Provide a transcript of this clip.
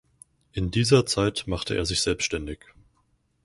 In dieser Zeit machte er sich selbstständig.